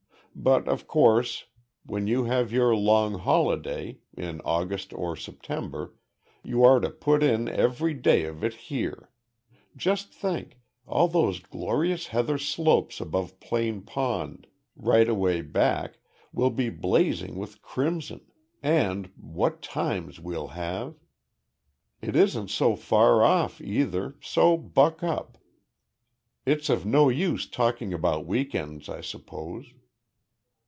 But of course, when you have your long holiday in August or September you are to put in every day of it here. Just think all those glorious heather slopes above Plane Pond right away back will be blazing with crimson, and what times we'll have. It isn't so far off either, so buck up. It's of no use talking about week ends I suppose."